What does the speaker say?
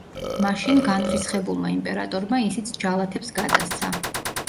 მაშინ განრისხებულმა იმპერატორმა ისიც ჯალათებს გადასცა.